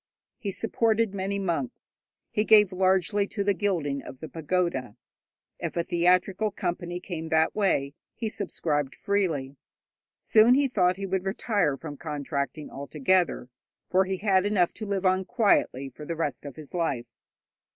He supported many monks, he gave largely to the gilding of the pagoda. If a theatrical company came that way, he subscribed freely. Soon he thought he would retire from contracting altogether, for he had enough to live on quietly for the rest of his life.